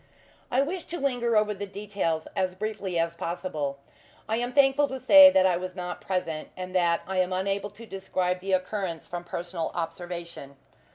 I wish to linger over the details as briefly as possible. I am thankful to say that I was not present, and that I am unable to describe the occurrence from personal observation.